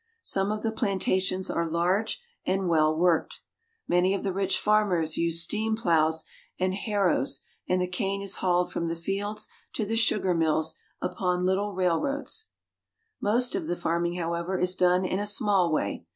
Some of the plantations are large and well worked. Many of the rich farmers use steam plows and harrows, and the cane is hauled from the fields to the sugar mills upon little railroads. GREAT DESERT. 55 Most of the farming , however, is done in a small way.